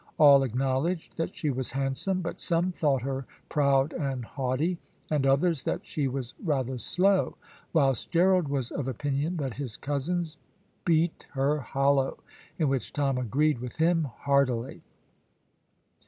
All acknowledged that she was handsome, but some thought her proud and haughty, and others that she was rather slow, whilst Gerald was of opinion that his cousins beat her hollow, in which Tom agreed with him heartily.